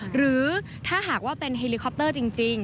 หรือถ้าหากว่าเป็นเฮลิคอปเตอร์จริง